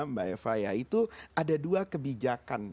mbak eva ya itu ada dua kebijakan